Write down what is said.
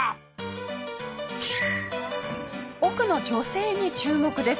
奥の女性に注目です。